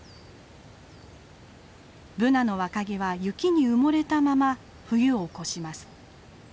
ブナの若木は雪に埋もれたまま冬を越します。